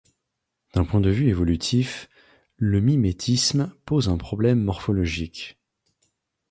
D'un point de vue évolutif, le mimétisme pose un problème morphologique.